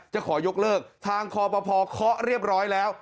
จะขอยกเลิกทางคอปภเคาะเรียบร้อยแล้ว